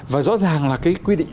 và rõ ràng là cái quy định